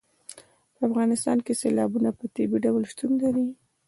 په افغانستان کې سیلابونه په طبیعي ډول شتون لري.